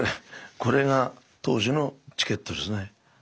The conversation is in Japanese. これが当時のチケットですね。